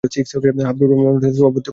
হাবিবুর রহমান অনুষ্ঠানে সভাপতিত্ব করেন।